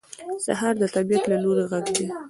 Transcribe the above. سهار د طبیعت له لوري غږ دی.